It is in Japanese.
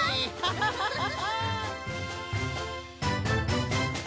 ハハハハ！